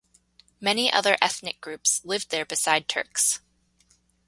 Many other ethnic groups lived there beside Turks.